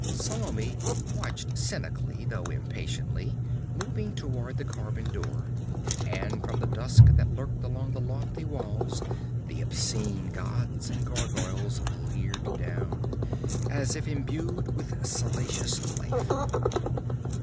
Salome watched cynically, though impatiently, moving toward the carven door, and from the dusk that lurked along the lofty walls the obscene gods and gargoyles leered down, as if imbued with salacious life.